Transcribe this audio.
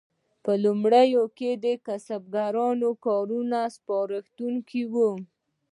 په لومړیو کې د کسبګرو کارونه سپارښتونکي وو.